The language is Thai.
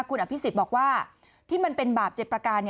คุณอภิษฎบอกว่าที่มันเป็นบาป๗ประการ